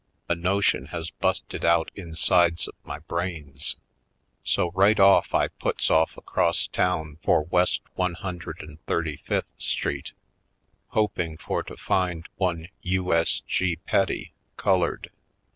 A notion has busted out insides of my brains. So right off I puts off across town for West One Hundred and Thirty fifth Street hoping for to find one U. S. G. Petty, Colored.